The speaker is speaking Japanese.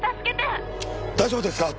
大丈夫ですか！？